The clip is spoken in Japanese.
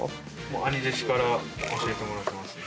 兄弟子から教えてもらってます。